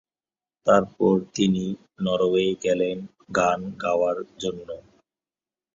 তারপর তিনি নরওয়ে গেলেন গান গাওয়ার জন্য।